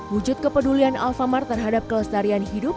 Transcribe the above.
wujud kepedulian alfamart terhadap kelestarian hidup